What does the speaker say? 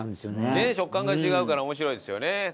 ねえ食感が違うから面白いですよね。